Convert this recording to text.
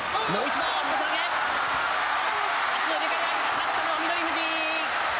勝ったのは翠富士。